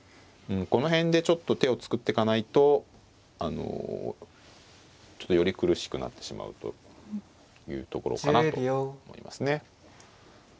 うんこの辺でちょっと手を作っていかないとあのちょっとより苦しくなってしまうというところかなと思いますね。